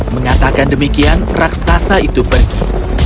mengatakan demikian raksasa itu pergi